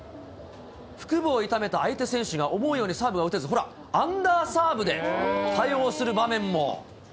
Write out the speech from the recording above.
腹部を痛めた相手選手が思うようにサーブを打てず、ほら、アンダーサーブで対応する場面も。